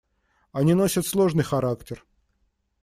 Они носят сложный характер.